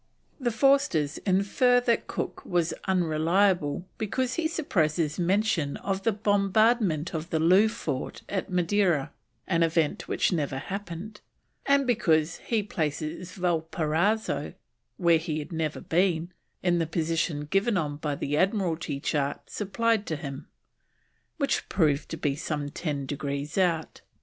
The Forsters infer that Cook was unreliable because he suppresses mention of the bombardment of the Loo fort at Madeira, an event which never happened; and because he places Valparaiso (where he had never been) in the position given on the Admiralty chart supplied to him, which proved to be some 10 degrees out.